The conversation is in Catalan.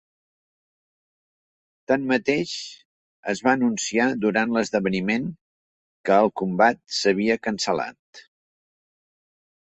Tanmateix, es va anunciar durant l'esdeveniment que el combat s'havia cancel·lat.